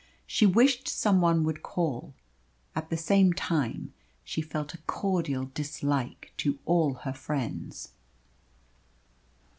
She wished someone would call. At the same time she felt a cordial dislike to all her friends.